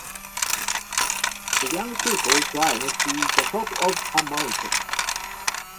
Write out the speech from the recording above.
The young people climbed to the top of a mountain.